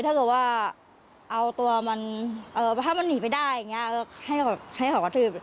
ถ้าเกิดว่าเอาตัวมันถ้ามันหนีไปได้อย่างนี้ก็ให้เขากระทืบ